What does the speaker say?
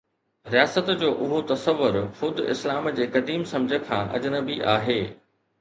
رياست جو اهو تصور خود اسلام جي قديم سمجھه کان اجنبي آهي.